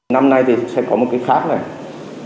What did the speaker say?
năm nay thì sẽ có một cái khác này